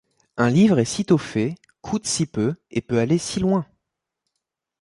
Un livre est sitôt fait, coûte si peu, et peut aller si loin!